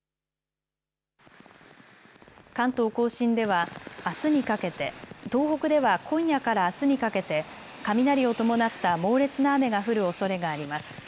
関東甲信ではあすにかけて、東北では今夜からあすにかけて雷を伴った猛烈な雨が降るおそれがあります。